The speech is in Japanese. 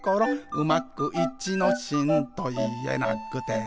「うまく『いちのしん』といえなくて」